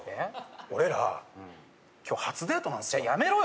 俺ら、今日、初デートなんですよ。